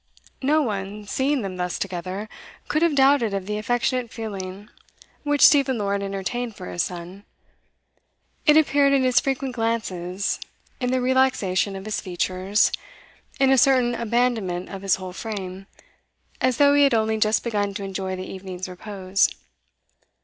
No one, seeing them thus together, could have doubted of the affectionate feeling which Stephen Lord entertained for his son. It appeared in his frequent glances, in the relaxation of his features, in a certain abandonment of his whole frame, as though he had only just begun to enjoy the evening's repose.